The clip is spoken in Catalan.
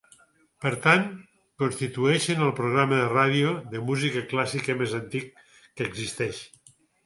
Per tant, constitueixen el programa de ràdio de música clàssica més antic que existeix.